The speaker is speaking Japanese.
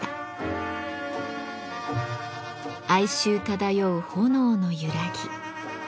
哀愁漂う炎の揺らぎ。